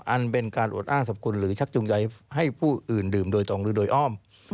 อันเป็นการอวดอ้างสรรพคุณหรือชักจูงใจให้ผู้อื่นดื่มโดยตรงหรือโดยอ้อม